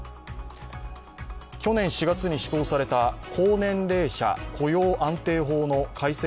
去年４月に施行された高年齢者雇用安定法の改正